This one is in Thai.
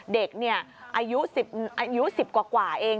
เด็กเนี่ยอายุ๑๐กว่าเอง